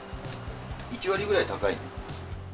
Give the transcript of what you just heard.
１割くらい高い。